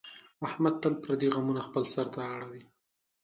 احمد تل پردي غمونه خپل سر ته راوړي.